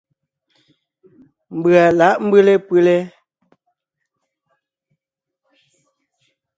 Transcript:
Mbʉ̀a lǎʼ mbʉ́le pʉ́le.